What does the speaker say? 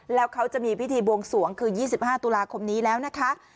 แล้วเขาจะมีพิธีบวงสวงคือ๒๕ตุลาคมนี้แล้วนะคะ